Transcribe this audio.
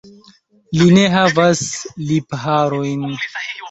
Li ne havas lipharojn.